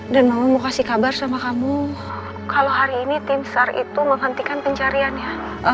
dan mama mau kasih kabar sama kamu kalau hari ini tim star itu menghentikan pencariannya